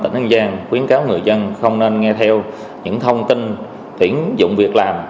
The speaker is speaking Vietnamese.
tỉnh an giang khuyến cáo người dân không nên nghe theo những thông tin tuyển dụng việc làm